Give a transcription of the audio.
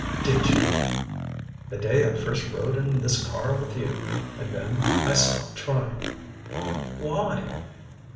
"Did you?" "The day I first rode in this car with you. And then I stopped trying " "Why?"